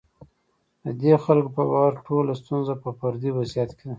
د دې خلکو په باور ټوله ستونزه په فردي وضعیت کې ده.